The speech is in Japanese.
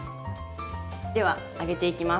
では揚げていきます。